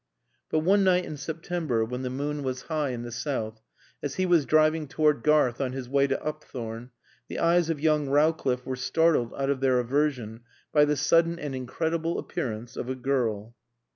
But one night in September, when the moon was high in the south, as he was driving toward Garth on his way to Upthorne, the eyes of young Rowcliffe were startled out of their aversion by the sudden and incredible appearance of a girl.